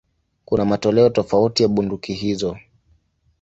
Kuna matoleo tofauti ya bunduki hizo.